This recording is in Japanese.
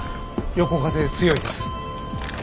横風強いです。